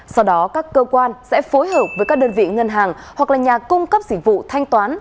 sau đó các cơ quan sẽ phối hợp với các đơn vị ngân hàng hoặc là nhà cung cấp dịch vụ thanh toán